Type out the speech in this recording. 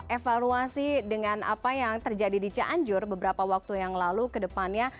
evaluasi dengan apa yang terjadi di cianjur beberapa waktu yang lalu ke depannya